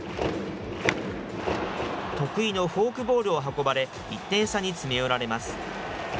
得意のフォークボールを運ばれ、１点差に詰め寄られます。